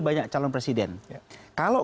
banyak calon presiden kalau